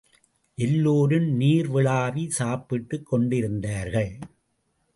எல்லோரும் நீர் விளாவி, சாப்பிட்டுக் கொண்டிருந்தார்கள்.